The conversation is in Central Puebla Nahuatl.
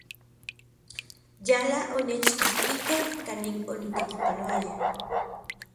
Yala onechkixtikej kanin onitekipanoaya.